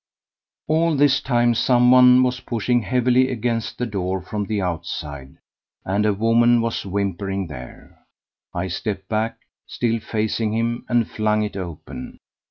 All this time some one was pushing heavily against the door from the outside, and a woman was whimpering there. I stepped back, still facing him, and flung it open.